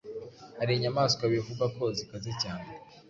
hari inyamaswa bivugwa ko zikaze cyane